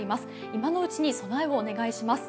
今のうちに備えをお願いします。